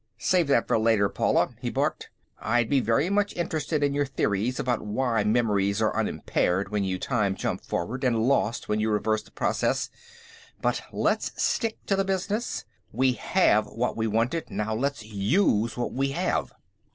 "Save that for later, Paula," he barked. "I'd be very much interested in your theories about why memories are unimpaired when you time jump forward and lost when you reverse the process, but let's stick to business. We have what we wanted; now let's use what we have."